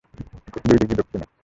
দুই ডিগ্রী দক্ষীণে।